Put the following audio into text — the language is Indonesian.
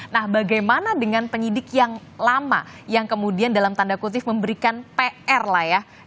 nah bagaimana dengan penyidik yang lama yang kemudian dalam tanda kutip memberikan pr lah ya